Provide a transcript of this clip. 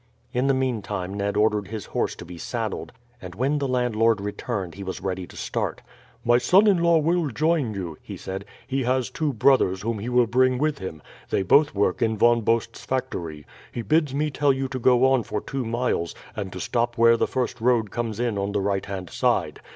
In the meantime Ned ordered his horse to be saddled, and when the landlord returned he was ready to start. "My son in law will join you," he said. "He has two brothers whom he will bring with him. They both work in Von Bost's factory. He bids me tell you to go on for two miles, and to stop where the first road comes in on the right hand side.